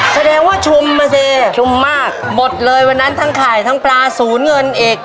แสดงว่าชุมมาสิชุมมากหมดเลยวันนั้นทั้งขายทั้งปลาศูนย์เงินอีก